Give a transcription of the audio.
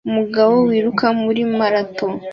Umugabo wiruka muri marato